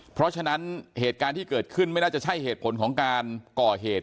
เพราะฉะนั้นเหตุการณ์ที่เกิดขึ้นไม่น่าจะใช่เหตุผลของการก่อเหตุ